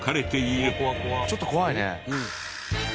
ちょっと怖いね。